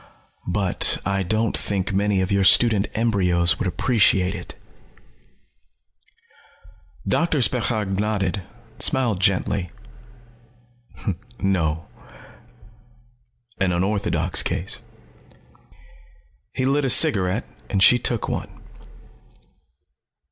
But I don't think many of your student embryos would appreciate it." Doctor Spechaug nodded, smiled gently. "No. An unorthodox case." He lit a cigarette, and she took one.